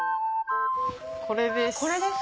これです。